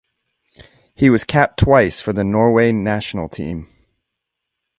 He was capped twice for the Norway national team.